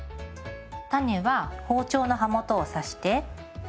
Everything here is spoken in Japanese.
種は包丁の刃元を刺して。